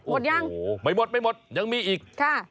หมดยังไม่หมดยังมีอีกค่ะ